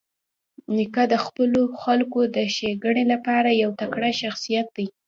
نیکه د خپلو خلکو د ښېګڼې لپاره یو تکړه شخصیت دی.